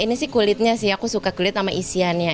ini sih kulitnya sih aku suka kulit sama isiannya